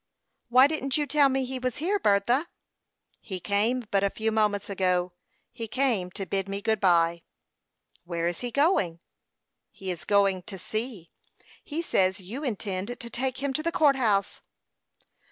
"Why didn't you tell me he was here, Bertha?" "He came but a few moments ago. He came to bid me good bye." "Where is he going?" "He is going to sea. He says you intend to take him to the court house."